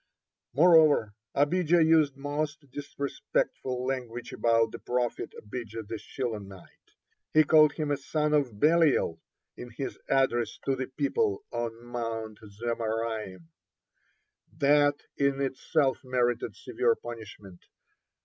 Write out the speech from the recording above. Moreover, Abijah used most disrespectful language about the prophet Abijah the Shilonite; he called him a "son of Belial" in his address to the people on Mount Zemaraim. That in itself merited severe punishment.